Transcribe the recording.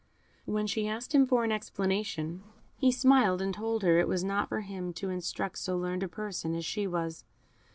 When she asked him for an explanation, he smiled, and told her it was not for him to instruct so learned a person as she was.